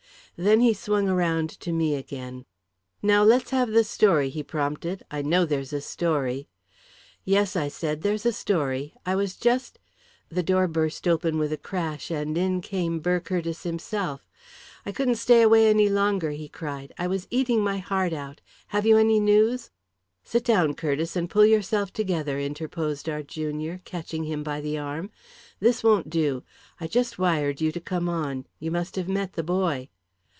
Then he swung around to me again. "Now let's have the story," he prompted. "I know there's a story." "Yes," I said; "there's a story. I was just " The door burst open with a crash, and in came Burr Curtiss himself. "I couldn't stay away any longer!" he cried. "I was eating my heart out. Have you any news?" "Sit down, Curtiss, and pull yourself together," interposed our junior, catching him by the arm. "This won't do. I just wired you to come on. You must have met the boy."